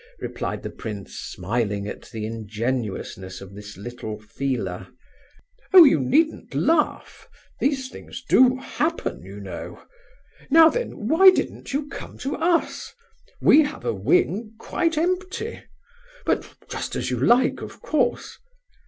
replied the prince, smiling at the ingenuousness of this little feeler. "Oh, you needn't laugh! These things do happen, you know! Now then—why didn't you come to us? We have a wing quite empty. But just as you like, of course.